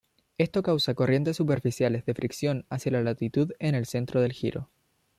Esto causa corrientes superficiales de fricción hacia la latitud en el centro del giro.